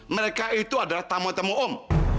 mereka itu adalah tamu tamu om